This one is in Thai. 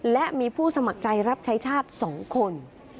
และมีผู้สมัครใจรับใช้ชาติ๒คน